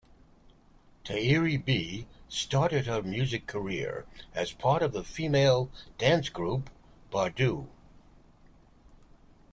Tairrie B started her music career as part of the female dance group Bardeux.